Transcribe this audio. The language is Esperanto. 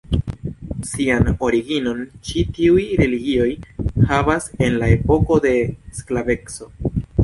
Sian originon ĉi tiuj religioj havas en la epoko de sklaveco.